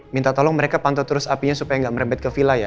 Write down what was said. minta tolong mereka pantau terus apinya supaya gak merebet ke vila ya